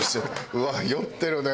うわっ酔ってるね。